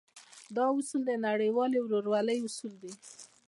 دا اصول د نړيوالې ورورۍ اصول دی.